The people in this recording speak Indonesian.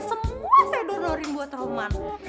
semua saya dodorin buat roman